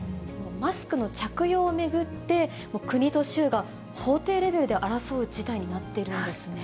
マスクの着用を巡って、国と州が法廷レベルで争う事態になっているんですね。